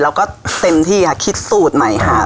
แล้วก็เต็มที่ค่ะคิดสูตรใหม่ค่ะ